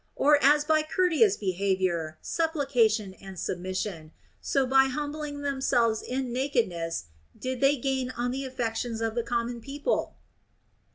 Or, as by cour teous behavior, supplication, and submission, so by hum bling themselves in nakedness did they gain on the affections of the common people